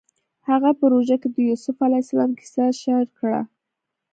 هغه په روژه کې د یوسف علیه السلام کیسه شعر کړه